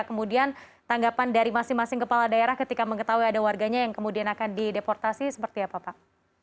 kemudian tanggapan dari masing masing kepala daerah ketika mengetahui ada warganya yang kemudian akan dideportasi seperti apa pak